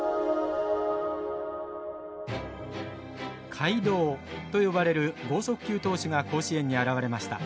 怪童と呼ばれる剛速球投手が甲子園に現れました。